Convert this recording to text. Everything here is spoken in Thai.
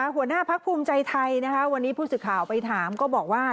หัวหน้าพักภูมิใจไทยนะคะวันนี้ผู้สื่อข่าวไปถามก็บอกว่า